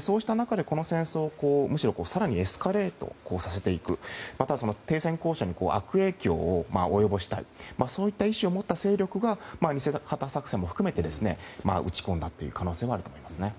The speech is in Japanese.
そうした中で、この戦争を更にエスカレートさせていくまたは停戦交渉に悪影響を及ぼしたいそういった意思を持った勢力が偽旗作戦も含めて撃ち込んだ可能性もあると思いますね。